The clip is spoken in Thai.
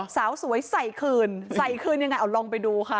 สาวสวยใส่คืนใส่คืนยังไงเอาลองไปดูค่ะ